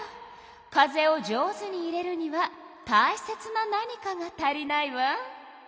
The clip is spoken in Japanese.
風を上手に入れるにはたいせつな何かが足りないわ。